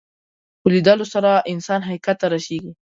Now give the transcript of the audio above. په لیدلو سره انسان حقیقت ته رسېږي